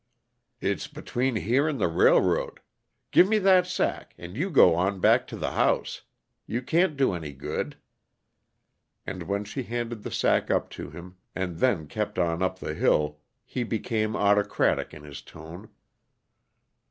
"It's between here and the railroad. Give me that sack, and you go on back to the house. You can't do any good." And when she handed the sack up to him and then kept on up the hill, he became autocratic in his tone.